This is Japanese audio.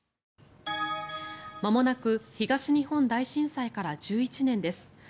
まもなく東日本大震災から１１年です。